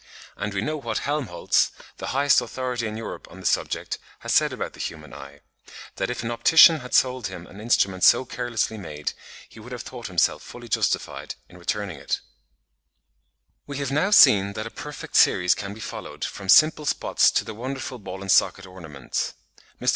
And we know what Helmholtz, the highest authority in Europe on the subject, has said about the human eye; that if an optician had sold him an instrument so carelessly made, he would have thought himself fully justified in returning it. (52. 'Popular Lectures on Scientific Subjects,' Eng. trans. 1873, pp. 219, 227, 269, 390.) We have now seen that a perfect series can be followed, from simple spots to the wonderful ball and socket ornaments. Mr.